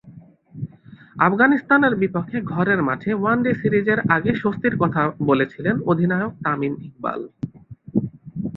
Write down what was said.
আফগানিস্তানের বিপক্ষে ঘরের মাঠে ওয়ানডে সিরিজের আগে স্বস্তির কথা বলেছিলেন অধিনায়ক তামিম ইকবাল।